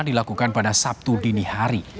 dilakukan pada sabtu dinihari